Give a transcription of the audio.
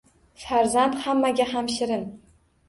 Farzand hammaga ham shirin.